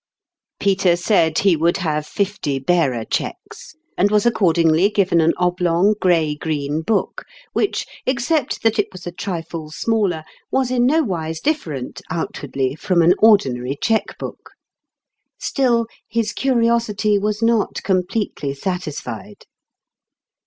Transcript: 27 Peter said lie would have fifty bearer cheques, and was accordingly given an oblong gray green book, which, except that it was a trifle smaller, was in nowise different, out wardly, from an ordinary cheque book. Still, his curiosity was not completely satisfied.